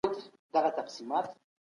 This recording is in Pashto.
حکومت سیاسي پناه نه ورکوي.